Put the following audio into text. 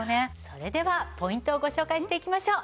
それではポイントをご紹介していきましょう。